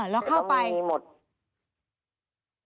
แล้วเข้าไปมีหมดแล้วเข้าไป